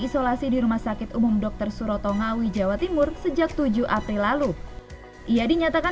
isolasi di rumah sakit umum dr suroto ngawi jawa timur sejak tujuh april lalu ia dinyatakan